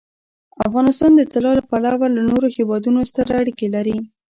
افغانستان د طلا له پلوه له نورو هېوادونو سره اړیکې لري.